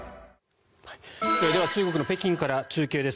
では中国の北京から中継です。